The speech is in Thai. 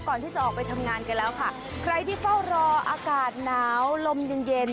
ก่อนที่จะออกไปทำงานกันแล้วค่ะใครที่เฝ้ารออากาศหนาวลมเย็นเย็น